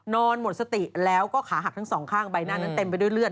นอนหมดสติแล้วก็ขาหักทั้งสองข้างใบหน้านั้นเต็มไปด้วยเลือด